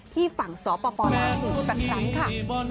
ที่ฝั่งสปปน้ำถือสักครั้งค่ะ